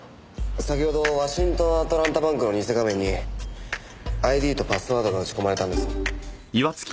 先程のワシントン・アトランタ・バンクの偽画面にＩＤとパスワードが打ち込まれたんです。